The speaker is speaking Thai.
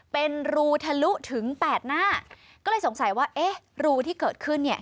เป็นรูทะลุถึงแปดหน้าก็เลยสงสัยว่าเอ๊ะรูที่เกิดขึ้นเนี่ย